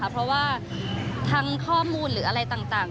เพราะว่าทั้งข้อมูลหรืออะไรต่าง